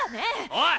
おい！